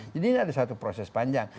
jadi ini adalah satu proses panjang